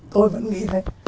tôi vẫn nghĩ thế